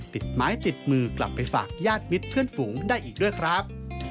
ติดไม้ติดมือกลับไปฝากญาติมิตรเพื่อนฝูงได้อีกด้วยครับ